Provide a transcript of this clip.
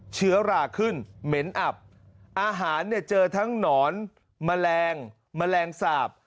เชื้อราขึ้นเหม็นอับอาหารเนี่ยเจอทั้งหนอนแมลงแมลงสาป